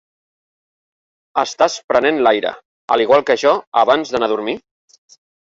Estàs prenent l'aire, al igual que jo, abans d'anar a dormir?